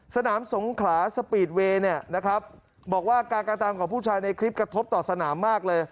สนามสงขาสปีดเวย์บอกว่าการการทำของผู้ชายในคลิปกระทบต่อสนามมากเลย